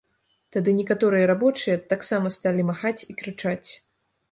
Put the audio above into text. Тады некаторыя рабочыя таксама сталі махаць і крычаць.